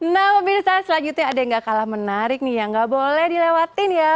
nah pemirsa selanjutnya ada yang gak kalah menarik nih yang gak boleh dilewatin ya